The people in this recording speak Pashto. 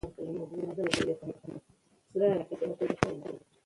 ازادي راډیو د مالي پالیسي په اړه د نقدي نظرونو کوربه وه.